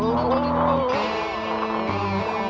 enggak ce besok